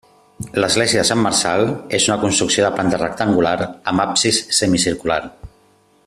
L'església de Sant Marçal és una construcció de planta rectangular amb absis semicircular.